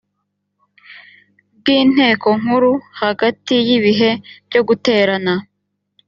bw inteko nkuru hagati y ibihe byo guterana